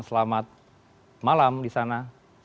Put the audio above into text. selamat malam di sana